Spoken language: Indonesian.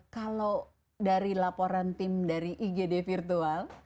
kalau dari laporan tim dari igd virtual